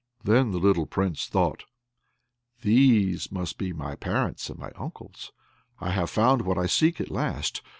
Then the little Prince thought, "These must be my parents and my uncles. I have found what I seek at last."